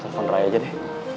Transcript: telepon raya aja deh